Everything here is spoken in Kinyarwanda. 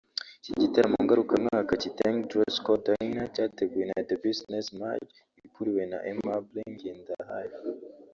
Iki gitaramo ngarukamwaka ‘Kitenge Dress Code Dinner’ cyateguwe na The Business Mag ikuriwe na Aimable Ngendahayo